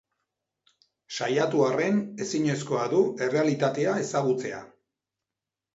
Saiatu arren ezinezkoa du errealitatea ezagutzea.